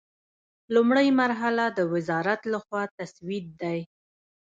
لومړۍ مرحله د وزارت له خوا تسوید دی.